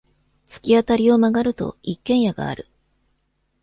突き当たりを曲がると、一軒家がある。